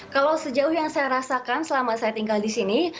kalau sejauh yang saya rasakan selama saya tinggal di sini